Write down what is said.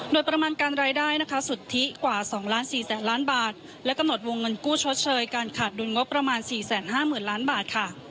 โดยประมาณการรายได้นะคะสุทธิกว่า๒๔๐๐๐ล้านบาทและกำหนดวงเงินกู้ชดเชยการขาดดุลงบประมาณ๔๕๐๐๐ล้านบาทค่ะ